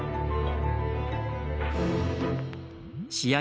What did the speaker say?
試合